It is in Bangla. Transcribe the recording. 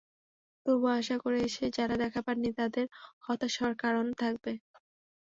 তবু আশা করে এসে যাঁরা দেখা পাননি, তাঁদের হতাশ হওয়ার কারণ থাকবে।